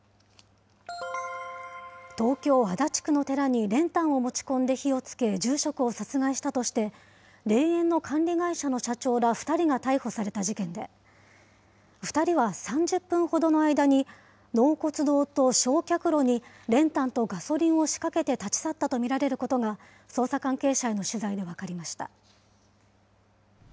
東京・足立区の寺に練炭を持ち込んで火をつけ、住職を殺害したとして、霊園の管理会社の社長ら２人が逮捕された事件で、２人は３０分ほどの間に、納骨堂と焼却炉に練炭とガソリンを仕掛けて立ち去ったと見られることが、捜査関係者への取材で分かりました。